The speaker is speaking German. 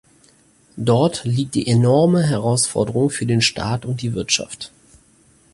Dort liegt die enorme Herausforderung für den Staat und die Wirtschaft.